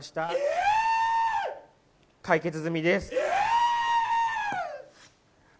解決済みです。